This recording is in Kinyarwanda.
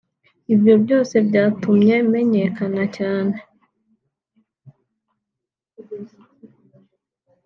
ibyo byose byatumye menyekana cyane